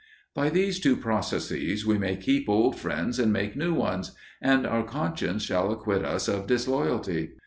By these two processes we may keep old friends and make new ones; and our conscience shall acquit us of disloyalty.